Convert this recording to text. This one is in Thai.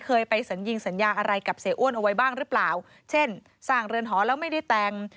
เคยไปสัญญิงสัญญาอะไรกับเสียอ้วนเอาไว้บ้างหรือเปล่าเช่นสร้างเรือนหอแล้วไม่ได้แต่ง